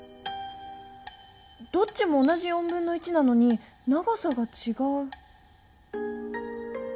どっちも同じ1/4なのに長さがちがう。